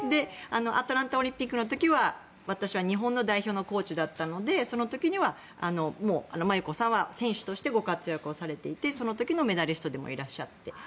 アトランタオリンピックの時は私は日本の代表のコーチだったのでその時にはもう麻祐子さんは選手としてご活躍されていてその時のメダリストでもいらっしゃって。